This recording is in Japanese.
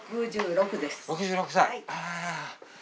６６歳！